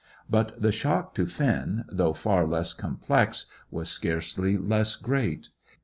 But the shock to Finn, though far less complex, was scarcely less great.